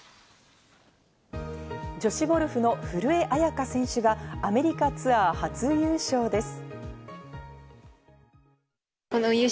女子ゴルフの古江彩佳選手がアメリカツアー初優勝です。